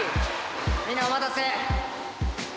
みんなお待たせ。